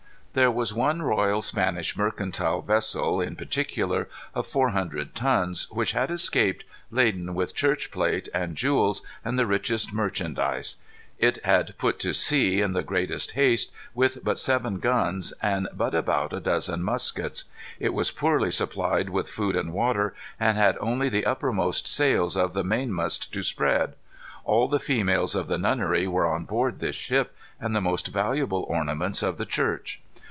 There was one royal Spanish mercantile vessel, in particular, of four hundred tons, which had escaped, laden with church plate and jewels, and the richest merchandise. It had put to sea in the greatest haste, with but seven guns and but about a dozen muskets. It was poorly supplied with food and water, and had only the uppermost sails of the mainmast to spread. All the females of the nunnery were on board this ship, with the most valuable ornaments of the church.